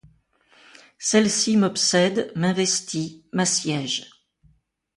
Celle-ci m’obsède, m’investit, m’assiège.